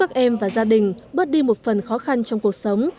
các em và gia đình bớt đi một phần khó khăn trong cuộc sống